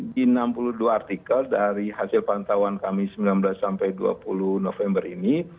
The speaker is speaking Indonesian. di enam puluh dua artikel dari hasil pantauan kami sembilan belas sampai dua puluh november ini